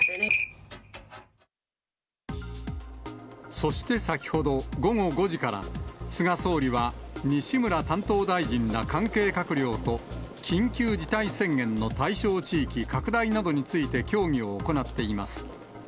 そして先ほど、午後５時から菅総理は、西村担当大臣ら関係閣僚と、緊急事態宣言の対象地域拡大などについて協議を行っています。